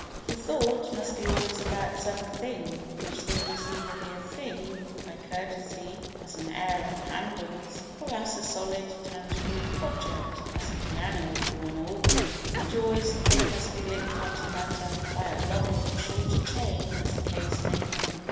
For thought must be always about some "thing" which thing must either be a thing by courtesy, as an air of Handel's, or else a solid, tangible object, as a piano or an organ, but always the thing must be linked on to matter by a longer or shorter chain as the case may be.